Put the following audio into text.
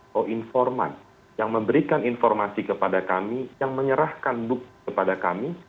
pro informance yang memberikan informasi kepada kami yang menyerahkan bukti kepada kami